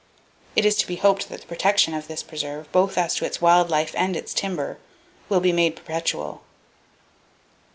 It is to be hoped that the protection of this preserve, both as to its wild life and its timber, will be made perpetual.